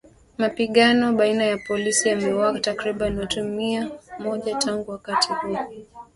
Mapigano baina ya polisi yameuwa takriban watu mia moja tangu wakati huo